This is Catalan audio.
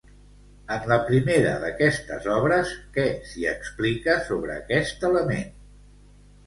En la primera d'aquestes obres, què s'hi explica sobre aquest element?